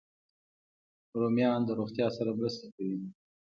رومیان د روغتیا سره مرسته کوي